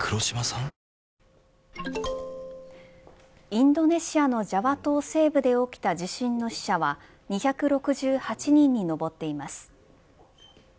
インドネシアのジャワ島西部で起きた地震の死者は２６８人に上っています。